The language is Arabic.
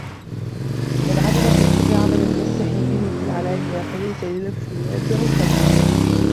مَنْ عَمِلَ فِي السِّرِّ عَمَلًا يَسْتَحِي مِنْهُ فِي الْعَلَانِيَةِ فَلَيْسَ لِنَفْسِهِ عِنْدَهُ قَدْرٌ